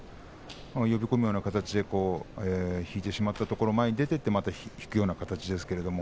呼び込むような形で引いてしまったところ前に出ていくような形ですね。